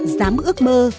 dám ước mơ